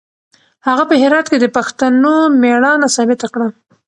هغه په هرات کې د پښتنو مېړانه ثابته کړه.